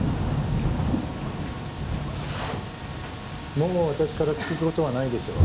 もう私から聞くことはないでしょう。